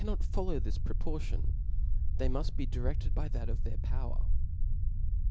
iS^ cafinot follow this proportion; they muft be di Booc refted by that of their power.